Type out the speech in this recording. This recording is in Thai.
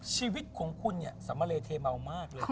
ชีวิตของคุณเนี่ยสมเลเทเมามากเลย